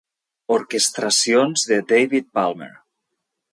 Orquestracions de David Palmer.